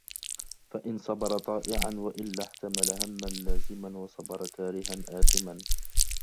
فَإِنْ صَبَرَ طَائِعًا وَإِلَّا احْتَمَلَ هَمَّا لَازِمًا وَصَبَرَ كَارِهًا آثِمًا